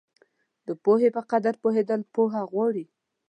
د پوهې په قدر پوهېدل پوهه غواړي.